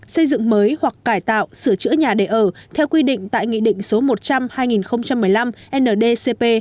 xây dựng mới hoặc cải tạo sửa chữa nhà để ở theo quy định tại nghị định số một trăm linh hai nghìn một mươi năm ndcp